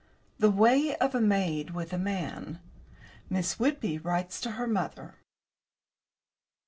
THE WAY OF A MAID WITH A MAN. (Miss Whitby writes to her Mother.)